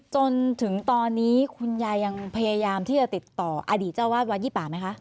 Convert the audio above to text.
จนถึงตอนนี้คุณยายยังพยายามที่จะติดต่ออดีตเจ้าวาดวัดยี่ป่าไหมคะ